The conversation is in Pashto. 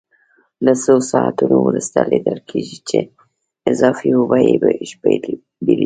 له څو ساعتونو وروسته لیدل کېږي چې اضافي اوبه یې بېلې شوې.